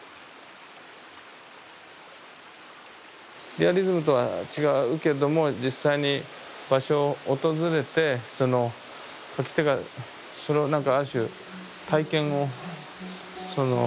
リアリズムとは違うけれども実際に場所を訪れて描き手がそのなんかある種体験を。